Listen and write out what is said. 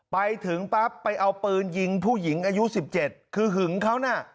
ไปถึงปั๊บไปเอาปืนยิงผู้หญิงอายุ๑๗คือหึงเขาน่ะ